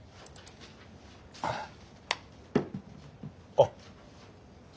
あっ。